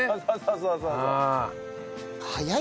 そうそうそうそう！